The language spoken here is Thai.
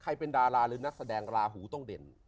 เป็นดาราหรือนักแสดงลาหูต้องเด่น